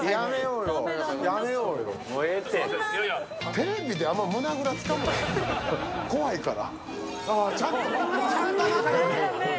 テレビで、あまり胸ぐらつかむなよ、怖いから。